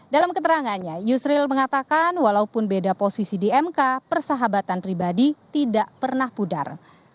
dalam keterangannya yusril mengatakan walaupun beda posisi di mk persahabatan pribadi tidak pernah pudar